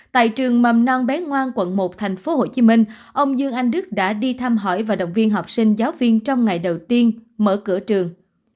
tại trường mầm non bé ngoan quận một tp hcm ông dương anh đức đã đi thăm hỏi và động viên học sinh giáo viên trong ngày đầu tiên mở cửa trường